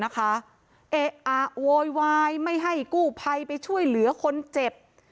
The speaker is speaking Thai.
เอ๊ะอะโวยวายไม่ให้กู้ภัยไปช่วยเหลือคนเจ็บ